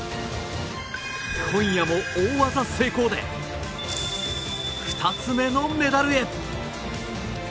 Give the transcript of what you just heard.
今夜も大技成功で２つ目のメダルへ！